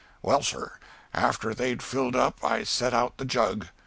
Well, sir, after they'd filled up I set out the jug.